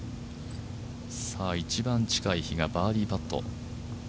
一番近い比嘉バーディパット。